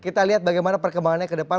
kita lihat bagaimana perkembangannya ke depan